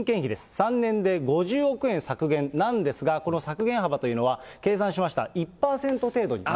３年で５０億円削減なんですが、この削減幅というのは、計算しました、甘い。